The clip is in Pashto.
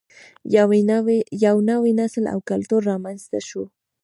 یو نوی نسل او کلتور رامینځته شو